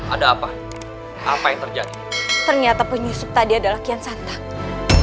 ada apa apa yang terjadi ternyata penyusup tadi adalah kian santang